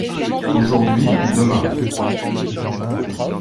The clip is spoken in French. Aujourd’hui ou demain.